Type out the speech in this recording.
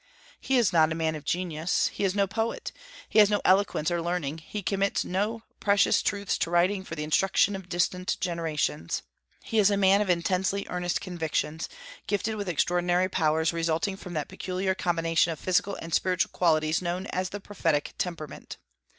He is not a man of genius; he is no poet; he has no eloquence or learning; he commits no precious truths to writing for the instruction of distant generations. He is a man of intensely earnest convictions, gifted with extraordinary powers resulting from that peculiar combination of physical and spiritual qualities known as the prophetic temperament.